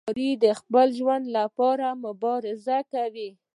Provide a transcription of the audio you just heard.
ښکاري د خپل ژوند لپاره مبارزه کوي.